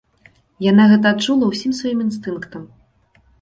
Яна гэта адчула ўсім сваім інстынктам.